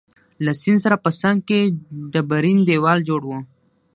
له سیند سره په څنګ کي ډبرین دیوال جوړ وو.